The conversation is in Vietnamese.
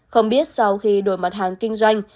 không biết sau khi đổi mặt hàng kinh doanh